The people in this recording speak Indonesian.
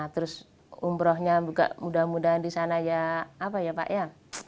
terus umrohnya mudah mudahan di sana ya apa ya pak ya